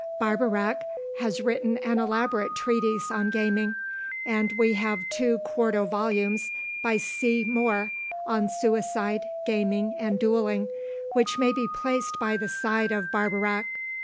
Barbeyrac has written an elaborate treatise on gaming, and we have two quarto volumes, by C. Moore, on suicide, gaming, and duelling, which may be placed by the side of Barbeyrac.